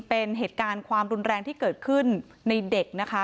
เป็นเหตุการณ์ความรุนแรงที่เกิดขึ้นในเด็กนะคะ